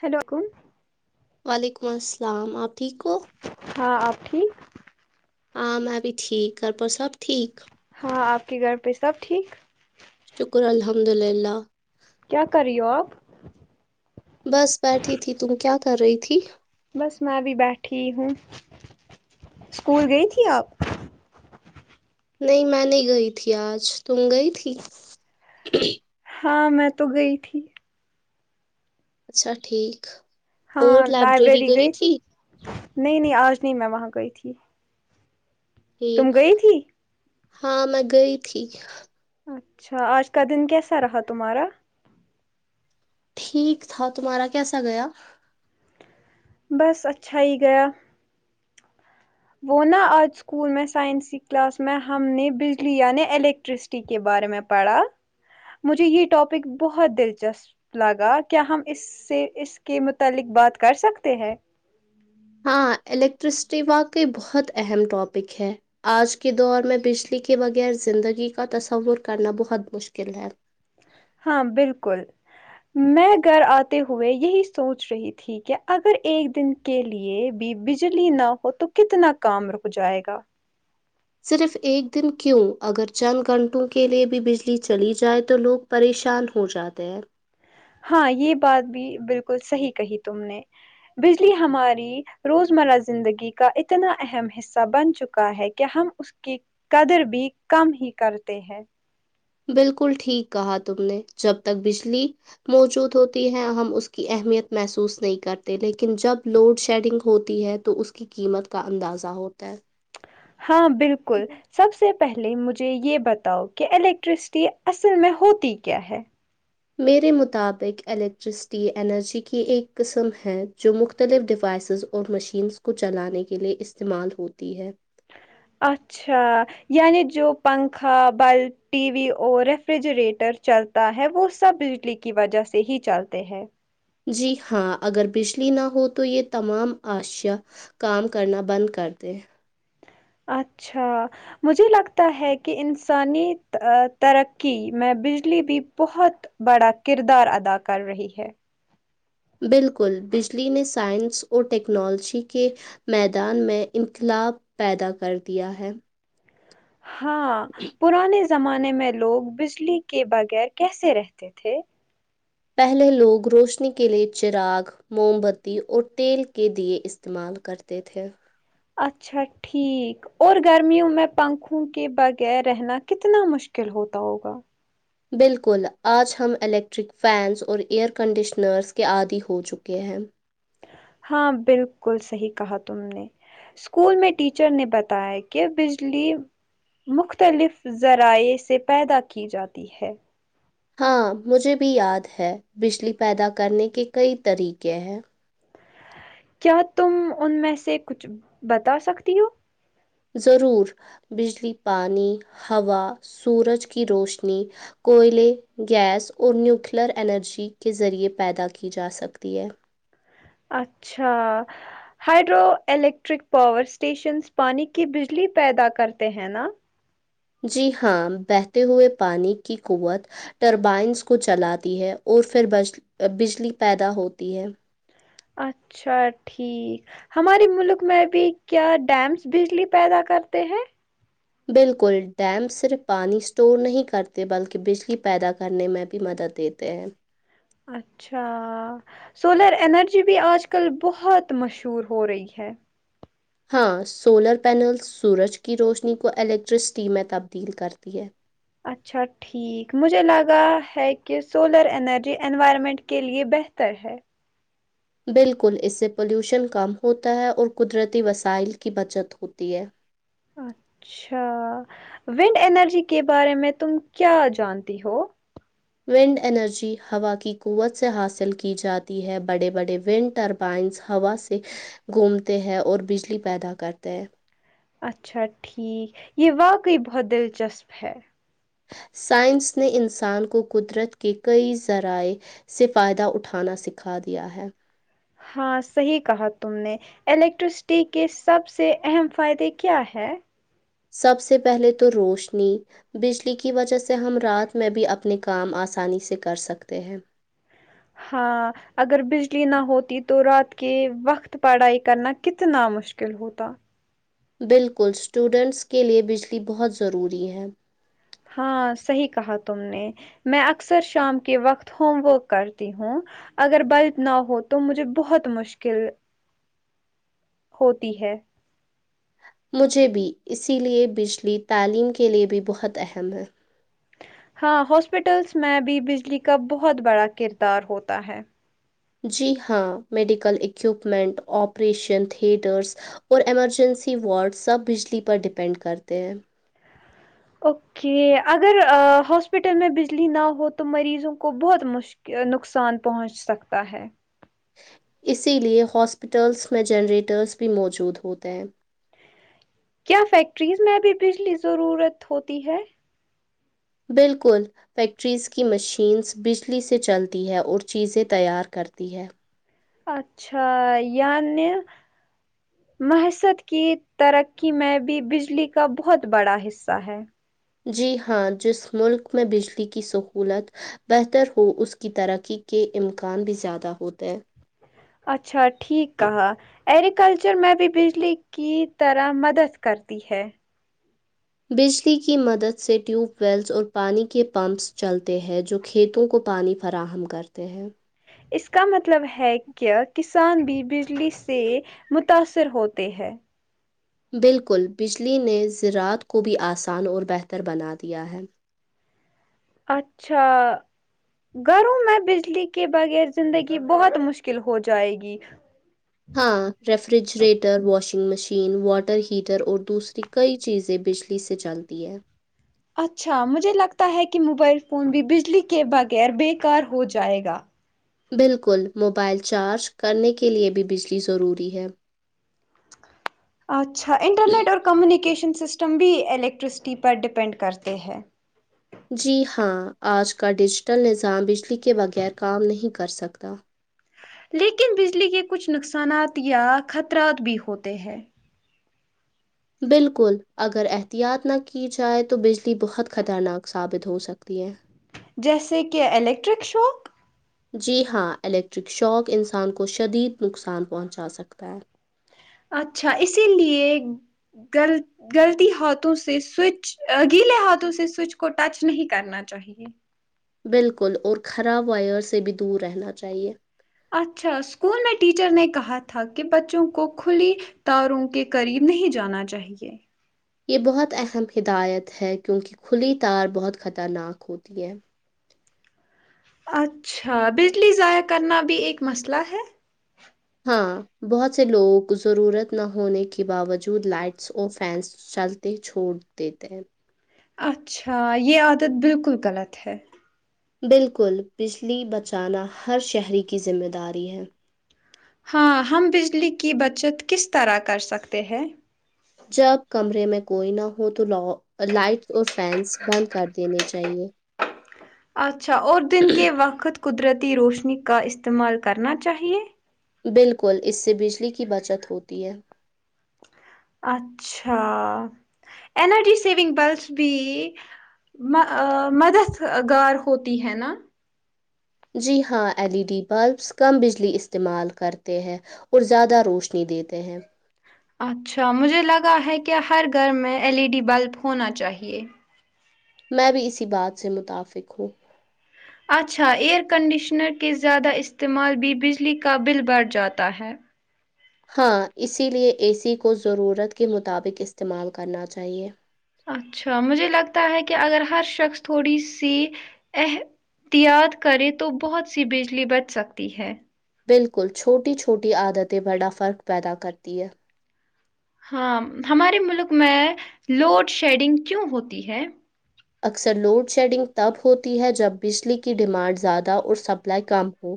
hello کم وعلیکم السلام آپ ٹھیک ہو ہاں آپ ٹھیک ہاں میں بھی ٹھیک گھر پر سب ٹھیک ہاں آپ کے گھر پہ سب ٹھیک شکر الحمد للہ کیا کر رہی ہو آپ بس بیٹھی تھی تم کیا کر رہی تھی بس میں بھی بیٹھی ہی ہوں اسکول گئی تھی آپ نہیں میں نہیں گئی تھی آج تم گئی تھی ہاں میں تو گئی تھی اچھا ٹھیک اور لائبریری گئی تھی نہیں نہیں آج نہیں میں وہاں گئی تھی ٹھیک تم گئی تھی ہاں میں گئی تھی اچھا آج کا دن کیسا رہا تمہارا ٹھیک تھا تمہارا کیسا گیا بس اچھا ہی گیا وہ نہ آج اسکول میں سائنس کی کلاس میں ہم نے بجلی یعنی الیکٹرس کے بارے میں پڑھا مجھے یہ ٹاپک بہت دلچسپ لگا کیا ہم اس سے اس کے متعلق بات کر سکتے ہیں ہاں الیکٹرسٹی واقع بہت اہم ٹاپک ہے آج کے دور میں بجلی کے بغیر زندگی کا تصور کرنا بہت مشکل ہے ہاں بالکل میں گھر آتے ہوئے یہی سوچ رہی تھی کہ اگر ایک دن کے لیے بھی بجلی نہ ہو تو کتنا کام رک جائے گا صرف ایک دن کیوں اگر چند گھنٹوں کے لیے بھی بجلی چلی جائے تو لوگ پریشان ہو جاتے ہیں ہاں یہ بات بھی بالکل صحیح کہی تم نے بجلی ہماری روزمرہ زندگی کا اتنا اہم ح صہ بن چکا ہے کہ ہم اس کی قدر بھی کم ہی کرتے ہیں بالکل ٹھیک کہاں تم نے جب تک بجلی موجود ہوتی ہے ہم اس کی اہمیت محسوس نہیں کرتے لیکن جب لوڈ شیڈنگ ہوتی ہے تو اس کی قیمت کا اندازہ ہوتا ہے ہاں بالکل سب سے پہلے مجھے یہ بتاؤ کہ الیکٹرسٹی اصل میں ہوتی کیا ہے میرے مطابق الیکٹرسٹی انرجی کی ایک قسم ہے جو مختلف ڈیوائسز اور مشینس کو چلانے کے لیے استعمال ہوتی ہے اچھ ا یعنی جو پنکھا بلب ٹی وی اور ریفریجریٹر چلتا ہے وہ سب بجلی کی وجہ سے ہی چلتے ہیں جی ہاں اگر بجلی نہ ہو تو یہ تمام اشیاء کام کرنا بند کر دے اچھا مجھے لگتا ہے کہ انسانی ترقی میں بجلی بھی بہت بڑا کردار ادا کر رہی ہے بالکل بجلی نے سائنس اور ٹیکنالوجی کے میدان میں انقلاب پیدا کر دیا ہے ہاں پرانے زمانے میں لوگ بجلی کے بغیر کیسے رہتے تھے پہلے لوگ روشنی کے لیے چراغ موم بتی اور تیل کے دیے استعمال کرتے تھے اچھا ٹھیک اور گرمیوں میں پنکھوں کے بغیر رہنا کتنا مشکل ہوتا ہوگا بالکل آج ہم الیکٹرک فینس اور ایئر کنڈیشنرس کے عادی ہو چکے ہیں ہاں بالکل صحیح کہا تم نے اسکول میں ٹیچر نے بتایا کہ بجلی مختلف ذرائع سے پیدا کی جاتی ہے ہاں مجھے بھی یاد ہے بجلی پیدا کرنے کے کئی طریقے ہیں کیا تم ان میں سے کچھ بتا سکتی ہو ضرور بجلی پانی ہوا سورج کی روشنی کوئلے گیس اور نیوکلر انرجی کے ذریعے پیدا کی جا سکتی ہے اچھا ہائڈرو الیکٹرک پاور اسٹیشنس پانی کی بجلی پیدا کرتے ہیں نا جی ہاں بہتے ہوئے پانی کی قوت ٹربائنس کو چلاتی ہے اور پھرج بجلی پیدا ہوتی ہے اچھا ٹھیک ہمارے ملک میں بھی کیا ڈیمس بجلی پیدا کرتے ہیں بالکل ڈیم صرف پانی اسٹور نہیں کرتے بلکہ بجلی پیدا کرنے میں بھی مدد دیتے ہیں اچھا سولر انرجی بھی آج کل بہت مشہور ہو رہی ہے ہاں سولر پینلس سورج کی روشنی کو الیکٹرسٹی میں تبدیل کرتی ہے اچھا ٹھیک مجھے لگا ہے کہ سولر انرجی انوائرمنٹ کے لیے بہتر ہے بالکل اس سے پولیوشن کم ہوتا ہے اور قدرتی وسائل کی بچت ہوتی ہے اچھا ونڈ انرجی کے بارے میں تم کیا جانتی ہو ونڈ انرجی ہوا کی قوت سے حاصل کی جاتی ہے بڑے بڑے ونڈ ٹرب پائنس ہوا سے گھومتے ہیں اور بجلی پیدا کرتے ہیں اچھا ٹھیک یہ واقعی بہت دلچسپ ہے سائنس نے انسان کو قدرت کے کئی ذرائع سے فائدہ اٹھانا سکھا دیا ہے ہاں صحیح کہا تم نے الیکٹرسٹی کے سب سے اہم فائدے کیا ہے سب سے پہلے تو روشنی بجلی کی وجہ سے ہم رات میں بھی اپنے کام آسانی سے کر سکتے ہیں ہاں اگر بجلی نہ ہوتی تو رات کے وقت تو پڑھائی کرنا کتنا مشکل ہوتا بالکل اسٹوڈنٹس کے لیے بجلی بہت ضروری ہے ہاں صحیح کہا تم نے میں اکثر شام کے وقت ہوم ورک کرتی ہوں اگر بلب نہ ہو تو مجھے بہت مشکل ہوتی ہے مجھے بھی اسی لیے بجلی تعلیم کے لیے بھی بہت اہم ہے ہاں ہاسپٹلس میں بھی بجلی کا بہت بڑا کردار ہوتا ہے جی ہاں میڈیکل اکیوپمنٹ آپریشن تھیٹرس اور ایمرجنسی وارڈ سب بجلی پر ڈیپینڈ کرتے ہیں اوکے اگر ہاسپٹل میں بجلی نہ ہو تو مریضوں کو بہت مش نقصان پہنچ سکتا ہے اسی لیے ہاسپیٹلس میں جنریٹرس بھی موجود ہوتے ہیں کیا فیکٹریز میں ابھی بجلی ضرورت ہوتی ہے بالکل فیکٹریز کی مشینس بجلی سے چلتی ہے اور چیزیں تیار کرتی ہے اچھا یعنی معیست کی ترقی میں بھی بجلی کا بہت بڑا حصہ ہے جی ہاں جس ملک میں بجلی کی سہولت بہتر ہو اس کی ترقی کے امکان بھی زیادہ ہوتے ہیں اچھا ٹھیک کہہ ایگریکلچر میں بھی بجلی کی طرح مدد کرتی ہے بجلی کی مدد سے ٹیوب ویلس اور پانی کے پمپس چلتے ہیں جو کھیتوں کو پانی فراہم کرتے ہیں اس کا مطلب ہے کہ کس کسان بھی بجلی سے متاثر ہوتے ہیں بالکل بجلی نے زراعت کو بھی آسان اور بہتر بنا دیا ہے اچھا گھروں میں بجلی کے بغیر زندگی بہت مشکل ہو جائے گی ہاں refrigerator washing machine water heater اور دوسری کئی چیزیں بجلی سے چلتی ہیں اچھا مجھے لگتا ہے کہ موبائل فون بھی بجلی کے بغیر بے کار ہو جائے گا بالکل موبائل چارج کرنے کے لے بھی بجلی ضروری ہے [inaudible] اچھا انٹرنیٹ اور کمیونیکیشن سسٹم بھی الیکٹرسٹی پر ڈپینڈ کرتے ہے جی ہاں آج کا ڈیجیٹل نظام بجلی کے بغیر کام نہیں کر سکتا لیکن بجلی کے کچھ نقصانات یا خطرات بھی ہوتے ہیں بالکل اگر احتیاط نہ کی جائے تو بجلی بہت خطرناک ثابت ہو سکتی ہے جیسے کہ الیکٹرک شاک جی ہاں الیکٹرک شاک انسان کو شدید نقصان پہنچا سکتا ہے اچھا اسی لیے غلط غلطی ہاتھوں سے سوئچ گیلے ہاتھوں سے سوئچ کو ٹچ نہیں کرنا چاہیے بالکل اور خراب وائر سے بھی دور رہنا چاہیے اچھا اسکول میں ٹیچر نے کہا تھا کہ بچوں کو کھلی تاروں کے قریب نہیں جانا چاہیے یہ بہت اہم ہدایت ہے کیونکہ کھلی تار بہت خطرناک ہوتی ہے اچھا بجلی ضائع کرنا بھی ایک مسئلہ ہے ہاں بہت سے لوگوں کو ضرورت نہ ہونے کے باوجود لائٹس اور فینس چلتے چھوڑ دیتے ہیں اچھا یہ عادت بالکل غلط ہے بالکل بجلی بچانا ہر شہری کی ذمہ داری ہے ہاں ہم بجلی کی بچت کس طرح کر سکتے ہیں جب کمرے میں کوئی نہ ہو تو لاو لائٹ اور فینس بند کر دینے چاہیے اچھا اور دن کے وقت قدرتی روشنی کا استعمال کرنا چاہیے بالکل اس سے بجلی کی بچت ہوتی ہے اچھا L E D saving bulbs بھی م ا مددگار ہوتی ہے نا جی ہاں ایل ای ڈی بلبس کم بجلی استعمال کرتے ہیں اور زیادہ روشنی دیتے ہیں اچھا مجھے لگا ہے کہ ہر گھر میں ایل ای ڈی بلب ہونا چاہیے میں بھی اسی بات سے متفق ہوں اچھا ایئر کنڈیشنر کے زیادہ استعمال بھی بجلی کا بل بڑھ جاتا ہے ہاں اسی لیے اے سی کو ضرورت کے مطابق استعمال کرنا چاہیے اچھا مجھے لگتا ہے کہ اگر ہر شخص تھوڑی سی اح تیاط کرے تو بہت سی بجلی بچ سکتی ہے بالکل چھوٹی چھوٹی عادتیں بڑا فرق پیدا کرتی ہے ہاں ہمارے ملک میں لوڈ شیڈنگ کیوں ہوتی ہے اکثر لوڈ شیڈنگ تب ہوتی ہے جب بجلی کی ڈیمانڈ زیادہ اور سپلائی کم ہو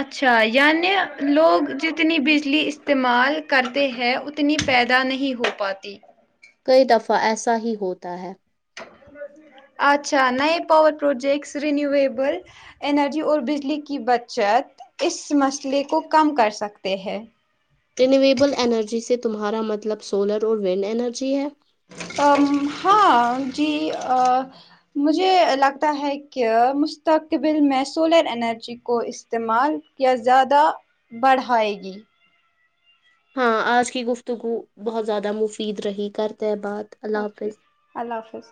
اچھا یعنی لوگ جتنی بجلی استعمال کرتے ہیں ات نی پیدا نہیں ہو پاتی کئی دفعہ ایسا ہی ہوتا ہے اچھا نئے پاور پروجیکٹس رینیویبل انرجی اور بجلی کی بچت اس مسئلے کو کم کر سکتے ہے رینیویبل انرجی سے تمہارا مطلب سولر اور ونڈ انرجی ہے ام ہاں جی مجھے لگتا ہے کہ مستقبل میں سولر انرجی کو استعمال کیا زیادہ بڑھائے گی ہاں آج کی گفتگو بہت زیادہ مفید رہی کرتے ہے بات اللہ اوکے حافظ اللہ حافظ